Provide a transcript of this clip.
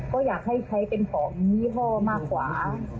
ก็อยากให้ใช้เป็นของยี่ห้อมากกว่า